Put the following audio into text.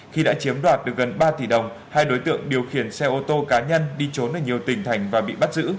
khi đã chiếm đoạt được gần ba tỷ đồng hai đối tượng điều khiển xe ô tô cá nhân đi trốn ở nhiều tỉnh thành và bị bắt giữ